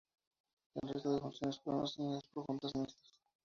El resto de funciones fueron asumidas por juntas mixtas.